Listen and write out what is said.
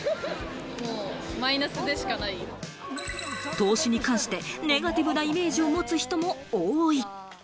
投資に関してネガティブなイメージを持つ人も多い。